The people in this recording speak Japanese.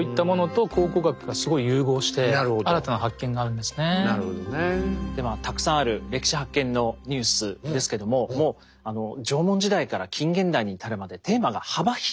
ではたくさんある歴史発見のニュースですけどももう縄文時代から近現代に至るまでテーマが幅広いですよね。